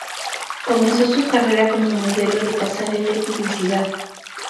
Comenzó su carrera como modelo de pasarela y publicidad.